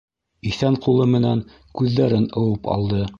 Иҫән ҡулы менән күҙҙәрен ыуып алды.